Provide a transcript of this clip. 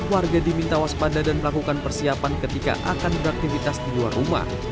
warga diminta waspada dan melakukan persiapan ketika akan beraktivitas di luar rumah